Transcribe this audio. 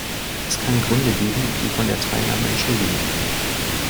Es kann Gründe geben, die von der Teilnahme entschuldigen.